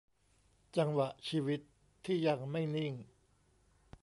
จังหวะชีวิตที่ยังไม่นิ่ง